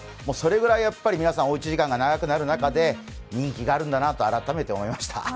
それぐらい皆さんおうち時間が長くなる中で人気があるんだなと改めて思いました。